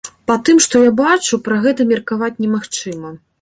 Па тым, што я бачу, пра гэта меркаваць немагчыма.